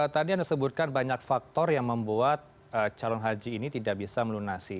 tadi anda sebutkan banyak faktor yang membuat calon haji ini tidak bisa melunasi